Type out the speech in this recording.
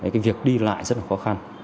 cái việc đi lại rất là khó khăn